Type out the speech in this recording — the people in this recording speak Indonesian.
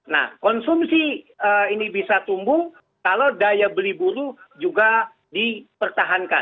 nah konsumsi ini bisa tumbuh kalau daya beli buruh juga dipertahankan